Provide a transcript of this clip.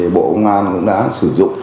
bộ công an cũng đã sử dụng